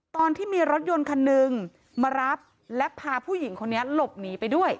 ตอนที่มีรถยนต์คันหนึ่งมารับและพาผู้หญิงคนนี้หลบหนีไปด้วย